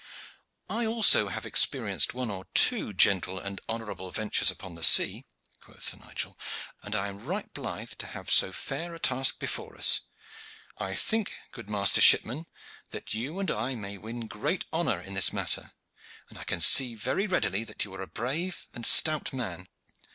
"I also have experienced one or two gentle and honorable ventures upon the sea," quoth Sir Nigel, "and I am right blithe to have so fair a task before us. I think, good master shipman, that you and I may win great honor in this matter, and I can see very readily that you are a brave and stout man."